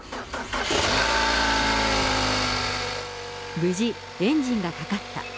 無事、エンジンがかかった。